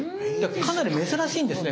かなり珍しいんですね。